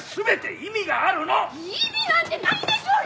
意味なんてないでしょうよ！